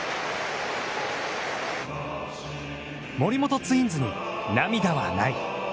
森本ツインズに涙はない。